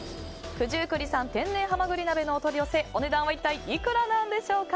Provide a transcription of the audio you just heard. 九十九里産「天然」はまぐり鍋のお取り寄せお値段は一体いくらでしょうか？